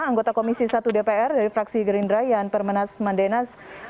anggota komisi satu dpr dari fraksi gerindraian permenas mandenas